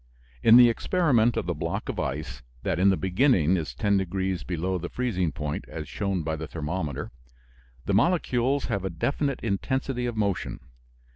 In the experiment of the block of ice that in the beginning is 10 degrees below the freezing point, as shown by the thermometer, the molecules have a definite intensity of motion.